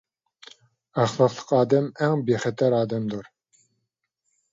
ئەخلاقلىق ئادەم ئەڭ بىخەتەر ئادەمدۇر.